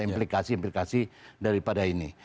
implikasi implikasi daripada ini